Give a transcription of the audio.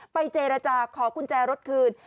เจรจาขอกุญแจรถคืน